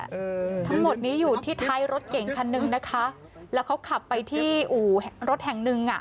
อืมทั้งหมดนี้อยู่ที่ท้ายรถเก่งคันหนึ่งนะคะแล้วเขาขับไปที่อู่รถแห่งหนึ่งอ่ะ